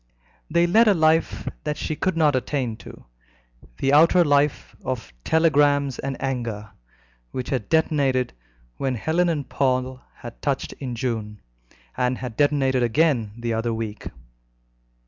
They led a life that she could not attain to the outer life of "telegrams and anger," which had detonated when Helen and Paul had touched in June, and had detonated again the other week.